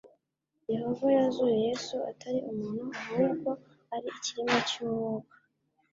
yehova yazuye yesu atari umuntu ahubwo ari ikiremwa cy umwuka